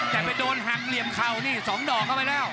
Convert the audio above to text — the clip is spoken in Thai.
แต่ไปโดนหักเหลี่ยมเข่านี่๒ดอกเข้าไปแล้ว